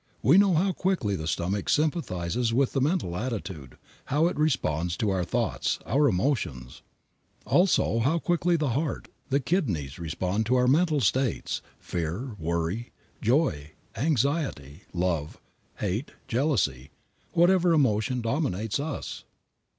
We know how quickly the stomach sympathizes with the mental attitude, how it responds to our thoughts, our emotions; also how quickly the heart, the kidneys respond to our mental states fear, worry, joy, anxiety, love, hate, jealousy, whatever emotion dominates us.